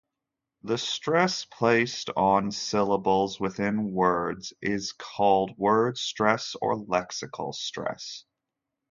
The stress placed on syllables within words is called word stress or lexical stress.